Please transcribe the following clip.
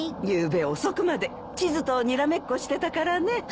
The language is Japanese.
ゆうべ遅くまで地図とにらめっこしてたからね。